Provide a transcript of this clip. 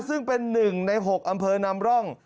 ซึ่งเป็น๑ใน๖อำเภอนำร่อง